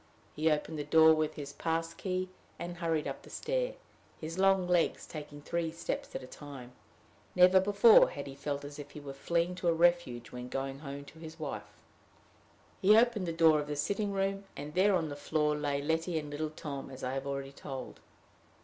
He opened the door with his pass key, and hurried up the stair, his long legs taking three steps at a time. Never before had he felt as if he were fleeing to a refuge when going home to his wife. He opened the door of the sitting room and there on the floor lay Letty and little Tom, as I have already told.